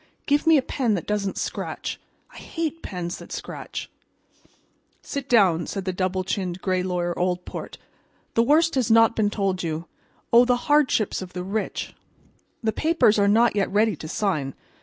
Give me a pen that doesn't scratch. I hate pens that scratch." "Sit down," said double chinned, gray Lawyer Oldport. "The worst has not been told you. Oh, the hardships of the rich! The papers are not yet ready to sign.